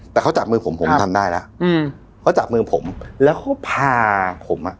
แต่เขาจับมือผมผมทำได้แล้วอืมเขาจับมือผมแล้วเขาพาผมอ่ะ